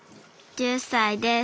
１０歳です